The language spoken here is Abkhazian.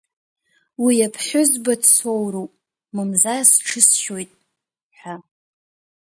Уи аԥҳәызба дсоуроуп, мамзар сҽысшьуеит, ҳәа.